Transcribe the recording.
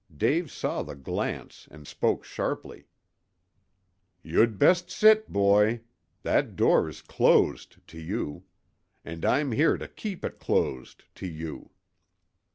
Dave saw the glance and spoke sharply. "You'd best sit, boy. That door is closed to you. And I'm here to keep it closed to you."